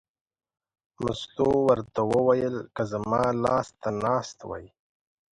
مستو ورته وویل: که زما لاس ته ناست وای.